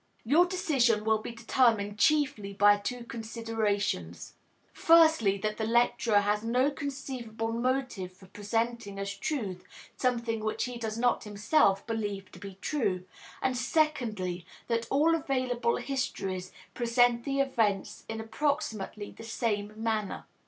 Your decision will be determined chiefly by two considerations; firstly, that the lecturer has no conceivable motive for presenting as truth something which he does not himself believe to be true, and secondly, that all available histories present the events in approximately the same manner.